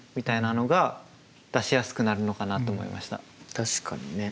確かにね。